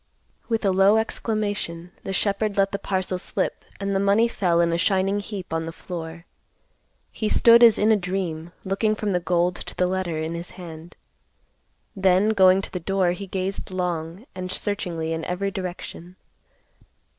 With a low exclamation, the shepherd let the parcel slip, and the money fell in a shining heap on the floor. He stood as in a dream, looking from the gold to the letter in his hand. Then, going to the door, he gazed long and searchingly in every direction.